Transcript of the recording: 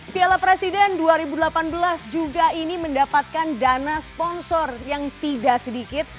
piala presiden dua ribu delapan belas juga ini mendapatkan dana sponsor yang tidak sedikit